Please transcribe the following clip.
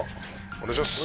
お願いします！